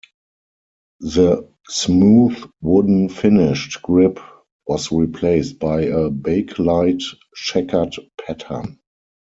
The smooth wooden finished grip was replaced by a bakelite checkered pattern.